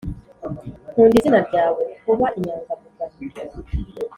nkunda izina ryawe. kuba inyangamugayo!